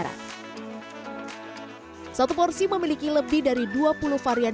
lalu kuliah penjelasan orang orangjungan